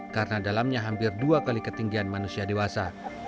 karena dalamnya hampir dua kali ketinggian manusia dewasa